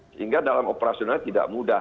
sehingga dalam operasionalnya tidak mudah